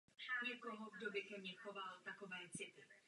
Nyní je nazván po jednom z hrdinských obránců z bitvy o Stalingrad.